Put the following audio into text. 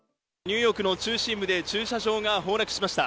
ニューヨークの中心部で駐車場が崩落しました。